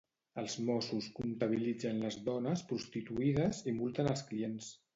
Els Mossos comptabilitzen les dones prostituïdes i multen els clients.